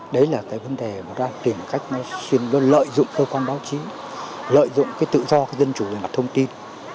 đấy là cái vấn đề chúng ta tìm cách lợi dụng cơ quan báo chí lợi dụng tự do dân chủ về mặt thông tin